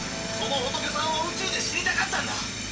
その仏さんは宇宙で死にたかったんだ。